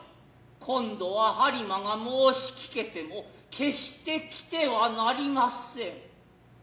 今度は播磨が申しきけても決して来ては成りません。